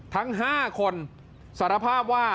ทั้ง๕คนสารภาพว่า